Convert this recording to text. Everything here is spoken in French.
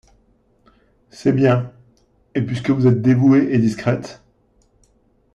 C’est bien, et, puisque vous êtes dévouée… et discrète…